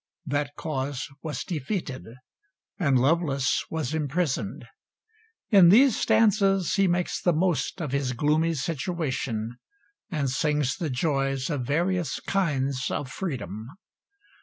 That cause was defeated and Lovelace was imprisoned. In these stanzas he makes the most of his gloomy situation and sings the joys of various kinds of freedom.